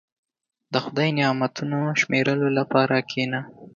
• د خدای نعمتونه شمیرلو لپاره کښېنه.